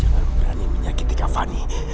karena ini menyakiti kak fani